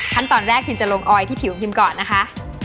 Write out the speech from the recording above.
ขั้นตอนแรกพิมจะลงออยที่ผิวพิมก่อนนะคะ